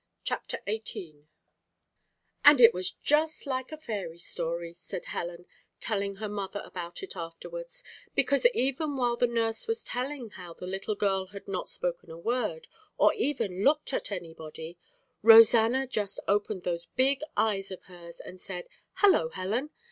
CHAPTER XVIII "And it was just like a fairy story," said Helen, telling her mother about it afterwards, "because even while the nurse was telling how the little girl had not spoken a word, or even looked at anybody, Rosanna just opened those big eyes of hers, and said, 'Hello, Helen!'